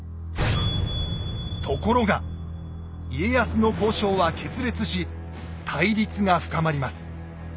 ところが家康の交渉は決裂し対立が深まります。